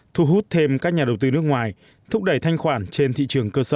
thu hút thêm các nhà đầu tư nước ngoài thúc đẩy thanh khoản trên thị trường cơ sở